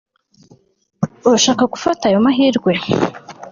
Urashaka gufata ayo mahirwe